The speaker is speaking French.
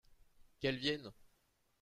Qu’elle vienne !